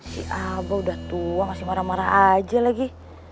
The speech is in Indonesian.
si abah udah tua masih marah marah aja lagi